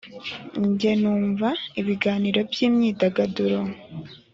njya numva ibiganiro by’imyidagaduro,